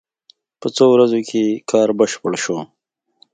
په څو ورځو کې کار بشپړ شو.